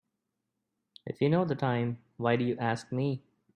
If you know the time why do you ask me?